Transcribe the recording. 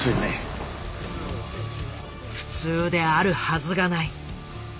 普通であるはずがない。